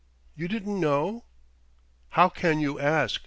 You didn't know?" "How can you ask?"